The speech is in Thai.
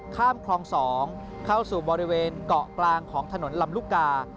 ข้ามคลอง๒เข้าสู่บริเวณเกาะกลางของถนนลำลูกกา